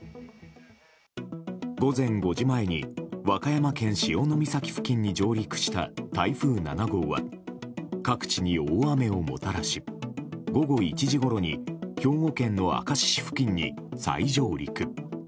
午前５時前に和歌山県潮岬付近に上陸した台風７号は各地に大雨をもたらし午後１時ごろに兵庫県の明石市付近に再上陸。